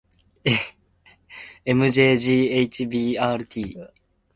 ｍｊｇｈｂｒｔ